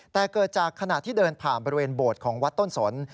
แต่เกิดจากขณะที่เดินผ่านบริเวณโบสถ์ของวัดต้นสน